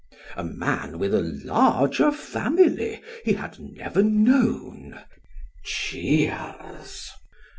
A man with a larger family he had never known (cheers).